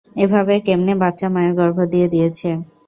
এভাবে কেমনে বাচ্চা মায়ের গর্ভে দিয়ে দিয়েছে?